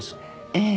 ええ。